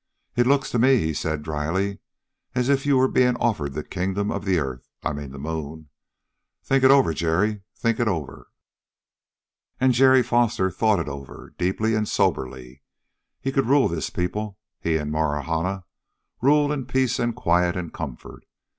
"It looks to me," he said dryly, "as if you were being offered the kingdom of the earth I mean the moon. Think it over, Jerry think it over." And Jerry Foster thought it over, deeply and soberly. He could rule this people, he and Marahna, rule in peace and quiet and comfort.